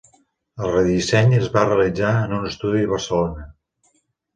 El redisseny es va realitzar en un estudi de Barcelona.